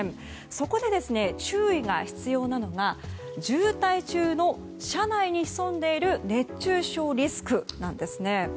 そこで、注意が必要なのが渋滞中の車内に潜んでいる熱中症リスクなんです。